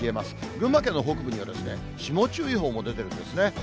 群馬県の北部には霜注意報も出てるんですね。